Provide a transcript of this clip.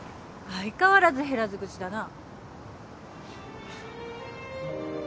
相変わらず減らず口だな。